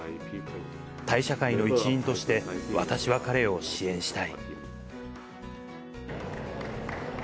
タイ社会の一員として、私は彼を支援したい。